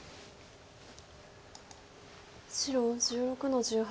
白１６の十八。